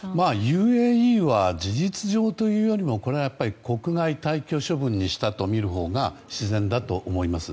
ＵＡＥは事実上というよりも国外退去処分にしたとみるほうが自然だと思います。